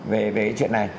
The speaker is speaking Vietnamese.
về chuyện này